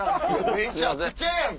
めちゃくちゃやん！